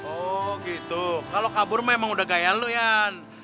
oh gitu kalau kabur memang udah gaya lu yan